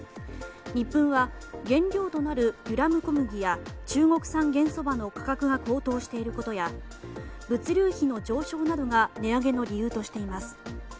ニップンは原料となるデュラム小麦や中国産玄そばの価格が高騰していることや物流費の上昇などが値上げの理由としています。